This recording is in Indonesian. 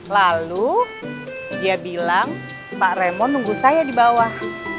lalu dia bilang pak remo nunggu saya di bawah